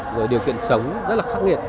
rồi điều kiện sống rất là khắc nghiệt